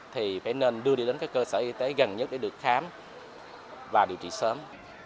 thì phải nên đưa đi đến các cơ sở y tế gần nhất để được khám và điều trị sớm